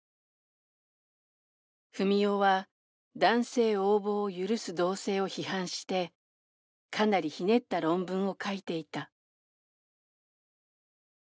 「文緒は『男性横暴を許す同性』を批判してかなりひねった論文を書いていた。